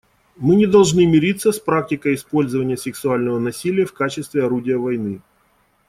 Мы не должны мириться с практикой использования сексуального насилия в качестве орудия войны.